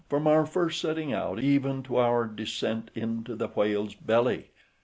from our first setting out, even to our descent into the whale's belly.